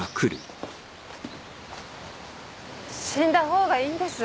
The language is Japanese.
死んだ方がいいんです。